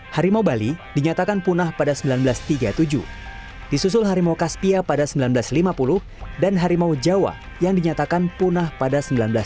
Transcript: harimau bali dinyatakan punah pada seribu sembilan ratus tiga puluh tujuh disusul harimau kaspia pada seribu sembilan ratus lima puluh dan harimau jawa yang dinyatakan punah pada seribu sembilan ratus sembilan puluh